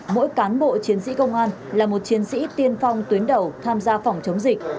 mỗi cán bộ chiến sĩ công an là một chiến sĩ tiên phong tuyến đầu tham gia phòng chống dịch